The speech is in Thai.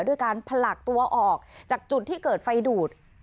ด้วยการผลักตัวออกจากจุดที่เกิดไฟดูด